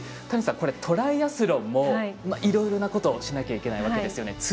谷さん、これトライアスロンもいろいろなことしなきゃいけないわけですよね。